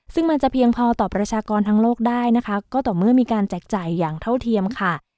ซึ่งมันจะเพียงพอต่อประชากรทางโลกได้นะคะก็ต่อเมื่อมีการแจกจ่ายอย่างเท่าเทียมค่ะ